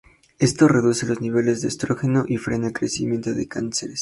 Esto reduce los niveles de estrógeno, y frena el crecimiento de cánceres.